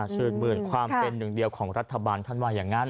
ชื่นมืนความเป็นหนึ่งเดียวของรัฐบาลท่านว่าอย่างนั้น